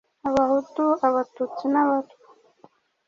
Abahutu, Abatutsi n'Abatwa.